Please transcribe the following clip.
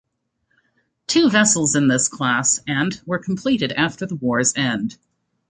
Two vessels in this class- and -were completed after the war's end.